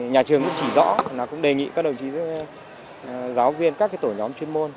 nhà trường cũng chỉ rõ đề nghị các đồng chí giáo viên các tổ nhóm chuyên môn